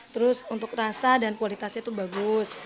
terus untuk rasa dan kualitasnya tuh bagus